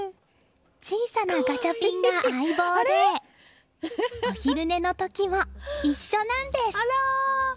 小さなガチャピンが相棒でお昼寝の時も一緒なんです。